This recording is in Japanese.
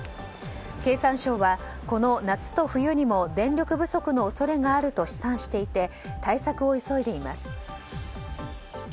経産省は、この夏と冬にも電力不足の恐れがあると試算していて対策を急いでいます。